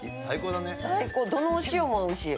最高、どのお塩もおいしい。